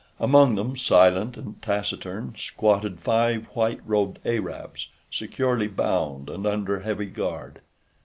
Among them, silent and taciturn, squatted five white robed Arabs, securely bound and under heavy guard.